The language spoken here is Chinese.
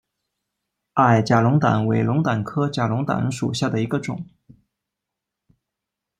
矮假龙胆为龙胆科假龙胆属下的一个种。